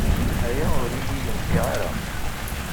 Aya ur iyi-yenfiɛ ara.